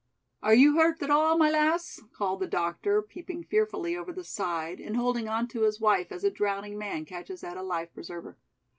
"Are you hurt at all, my lass?" called the doctor, peeping fearfully over the side, and holding onto his wife as a drowning man catches at a life preserver.